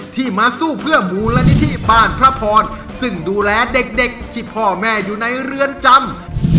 ที่มาสู้เพื่อมูลนิธิบ้านพระพรซึ่งดูแลเด็กที่พ่อแม่อยู่ในเรือนจำ